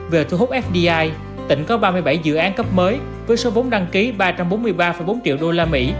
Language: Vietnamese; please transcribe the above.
về thu hút fdi tỉnh có ba mươi bảy dự án cấp mới với số vốn đăng ký ba trăm bốn mươi ba bốn triệu usd